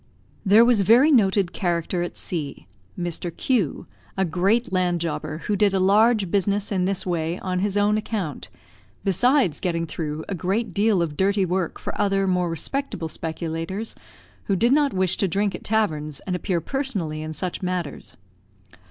There was very noted character at C , Mr. Q , a great land jobber, who did a large business in this way on his own account, besides getting through a great deal of dirty work for other more respectable speculators, who did not wish to drink at taverns and appear personally in such matters.